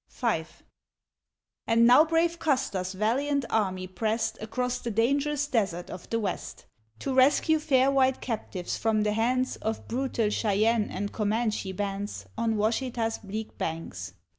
V. And now brave Custer's valiant army pressed Across the dangerous desert of the West, To rescue fair white captives from the hands Of brutal Cheyenne and Comanche bands, On Washita's bleak banks.